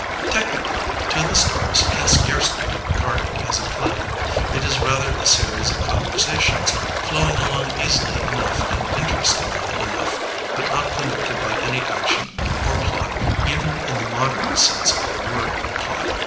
Technically, To the Stars can scarcely be regarded as a play. It is rather a series of conver sations, flowing along easily enough and interest ingly enough, but not connected by any action or plot even in the modem sense of the word plot.